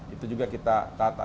itu juga kita tata